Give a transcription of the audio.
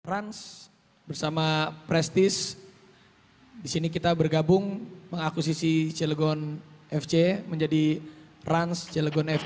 rans bersama prestis disini kita bergabung mengakuisisi cilegon fc menjadi rans cilegon f